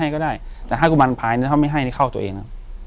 กุมารพายคือเหมือนกับว่าเขาจะมีอิทธิฤทธิ์ที่เยอะกว่ากุมารทองธรรมดา